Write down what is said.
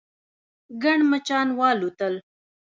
ګڼ مچان والوتل.